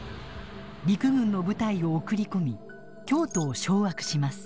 陸軍の部隊を送り込み京都を掌握します。